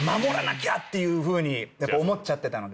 ていうふうに思っちゃってたので。